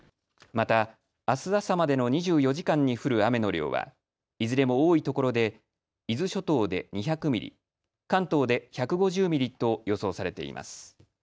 また、あす朝までの２４時間に降る雨の量はいずれも多いところで伊豆諸島で２００ミリ関東で１５０ミリと予想されています。